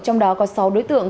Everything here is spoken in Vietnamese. trong đó có sáu đối tượng